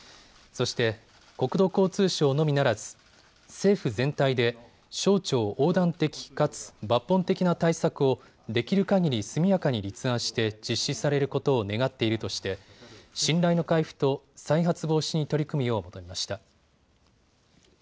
そして、国土交通省のみならず政府全体で省庁横断的かつ抜本的な対策をできるかぎり速やかに立案して実施されることを願っているとして信頼の回復と再発防止に取り組むよう求めました。